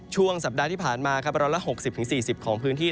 ช่วงสัปดาห์ที่ผ่านมาครับ๑๖๐๔๐ของพื้นที่